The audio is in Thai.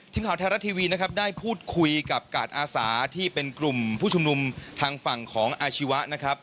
ทีมข่าวไทรัตทีวีได้พูดคุยกับกาตอาสาที่เป็นกลุ่มผู้ชุมนุมทางฝั่งของอาชีวะ